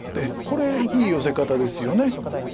これいいヨセ方ですよね。